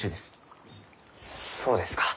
そうですか。